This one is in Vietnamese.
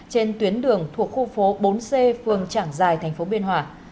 trên tuyến đường thuộc khu phố bốn c phường trảng giài thành phố biên hòa